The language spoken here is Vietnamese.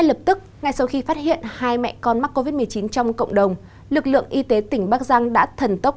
lập tức ngay sau khi phát hiện hai mẹ con mắc covid một mươi chín trong cộng đồng lực lượng y tế tỉnh bắc giang đã thần tốc